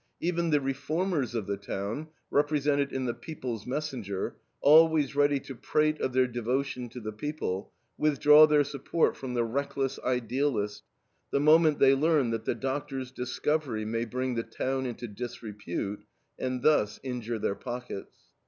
Even the reformers of the town, represented in the PEOPLE'S MESSENGER, always ready to prate of their devotion to the people, withdraw their support from the "reckless" idealist, the moment they learn that the doctor's discovery may bring the town into disrepute, and thus injure their pockets.